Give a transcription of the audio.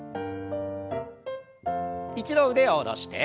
一度腕を下ろして。